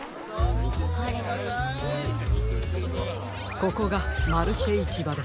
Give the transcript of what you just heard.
ここがマルシェいちばです。